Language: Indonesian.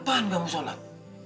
sejak kapan kamu shalat